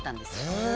へえ！